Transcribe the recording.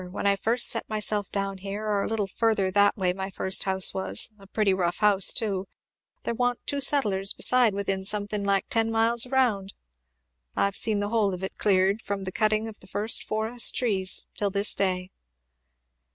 when I first set myself down here, or a little further that way my first house was, a pretty rough house, too, there wa'n't two settlers beside within something like ten miles round. I've seen the whole of it cleared, from the cutting of the first forest trees till this day."